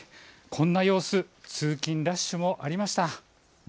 こんな様子、通勤ラッシュもありました。